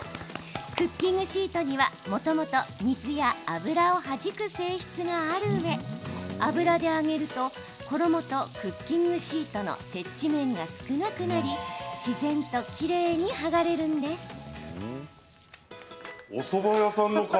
クッキングシートにはもともと水や油をはじく性質があるうえ油で揚げると衣とクッキングシートの接地面が少なくなり自然ときれいに剥がれるんです。